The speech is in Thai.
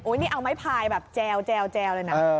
นี่เอาไม้พายแบบแจวเลยนะ